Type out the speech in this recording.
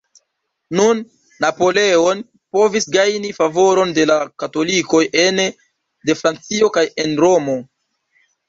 Nun, Napoleon povis gajni favoron de la katolikoj ene de Francio kaj en Romo.